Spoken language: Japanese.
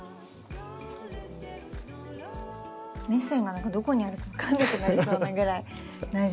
メセンがどこにあるか分かんなくなりそうなぐらいなじんでる。